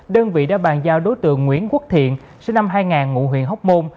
đơn vị đã bàn giao đối tượng nguyễn quốc thiện sinh năm hai nghìn ngụ huyện hóc môn